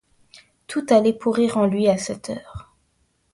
Tout allait pourrir en lui, à cette heure.